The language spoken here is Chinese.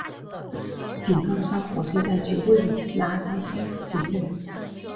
井冈山火车站即位于拿山乡境内。